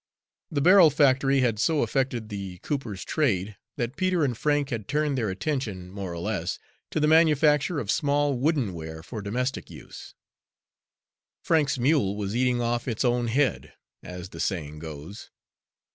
The barrel factory had so affected the cooper's trade that Peter and Frank had turned their attention more or less to the manufacture of small woodenware for domestic use. Frank's mule was eating off its own head, as the saying goes.